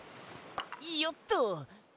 よっと！